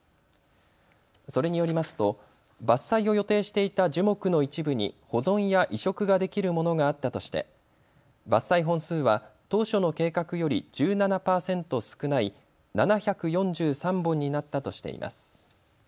それによりますと伐採を予定していた樹木の一部に保存や移植ができるものがあったとして伐採本数は当初の計画より１７％少ない７４３本になったとしています。